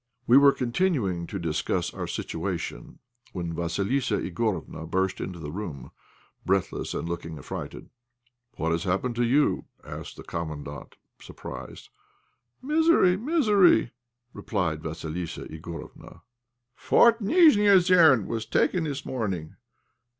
We were continuing to discuss our situation, when Vassilissa Igorofna burst into the room, breathless, and looking affrighted. "What has happened to you?" asked the Commandant, surprised. "Misery! misery!" replied Vassilissa Igorofna. "Fort Nijnéosern was taken this morning.